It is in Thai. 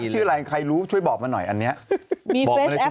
แอปข้อชื่ออะไรให้รู้ช่วยบอกมาหน่อยอันแนี้